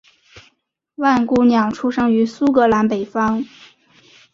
万姑娘出生于苏格兰北方。